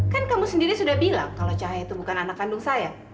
kan kamu sendiri sudah bilang kalau cahaya itu bukan anak kandung saya